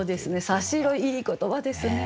「差し色」いい言葉ですね。